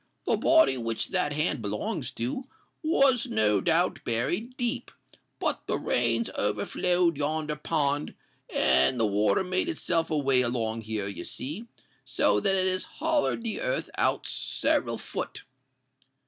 "The body which that hand belongs to, was no doubt buried deep; but the rains overflowed yonder pond, and the water made itself a way along here, you see—so that it has hollered the earth out several foot."